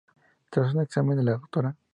Tras un examen, la Dra.